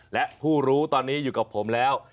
และผู้รู้ตอนนี้อยู่กับผมแล้ว